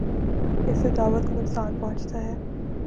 اس سے دعوت کو نقصان پہنچتا ہے۔